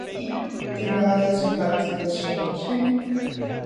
These values reflect this change.